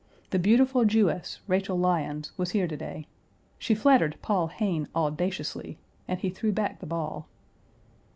The beautiful Jewess, Rachel Lyons, was here to day. She flattered Paul Hayne audaciously, and he threw back the ball.